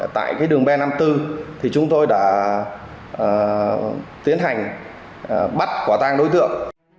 tại đường b năm mươi bốn thì chúng tôi đã tiến hành bắt quả tang đối tượng